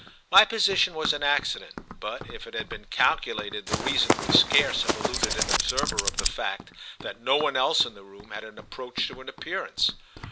My position was an accident, but if it had been calculated the reason would scarce have eluded an observer of the fact that no one else in the room had an approach to an appearance.